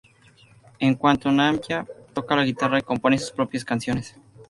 En cuanto Najwa, toca la guitarra y compone sus propias canciones.